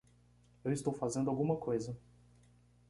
Eu estou fazendo alguma coisa.